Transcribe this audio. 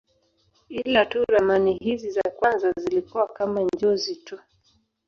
Ila tu ramani hizi za kwanza zilikuwa kama njozi tu.